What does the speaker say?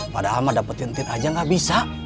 padahal mah dapetin tin aja gak bisa